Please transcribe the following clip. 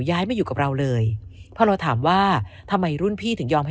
ย้ายมาอยู่กับเราเลยพอเราถามว่าทำไมรุ่นพี่ถึงยอมให้